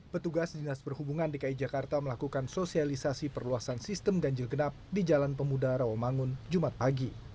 petugas dinas perhubungan dki jakarta melakukan sosialisasi perluasan sistem ganjil genap di jalan pemuda rawamangun jumat pagi